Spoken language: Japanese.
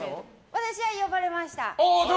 私は呼ばれました。